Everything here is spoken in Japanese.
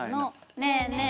ねえ？ねえ？」